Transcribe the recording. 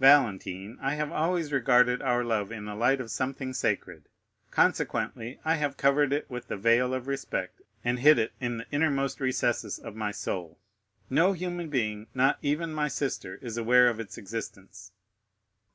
"Valentine, I have always regarded our love in the light of something sacred; consequently, I have covered it with the veil of respect, and hid it in the innermost recesses of my soul. No human being, not even my sister, is aware of its existence.